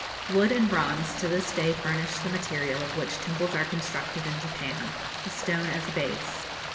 Wood and bronze to this day furnish the material of which temples are constructed in Japan, with stone as a base.